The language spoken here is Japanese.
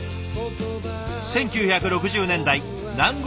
１９６０年代南国